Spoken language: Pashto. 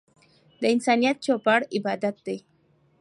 د انسانيت چوپړ عبادت دی.